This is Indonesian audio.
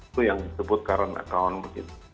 itu yang disebut current account begitu